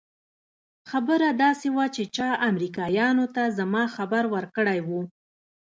خبره داسې وه چې چا امريکايانو ته زما خبر ورکړى و.